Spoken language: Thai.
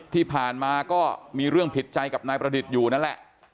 ที่ผ่านมาก็มีเรื่องผิดใจกับนายประดิษฐ์อยู่นั่นแหละ